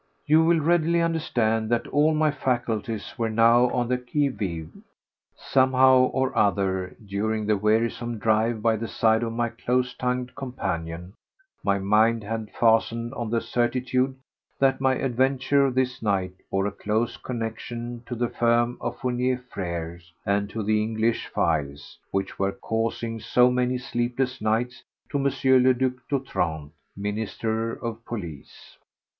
You will readily understand that all my faculties were now on the qui vive. Somehow or other during the wearisome drive by the side of my close tongued companion my mind had fastened on the certitude that my adventure of this night bore a close connexion to the firm of Fournier Frères and to the English files which were causing so many sleepless nights to M. le Duc d'Otrante, Minister of Police.